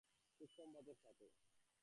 শোক সংবাদের সাথে।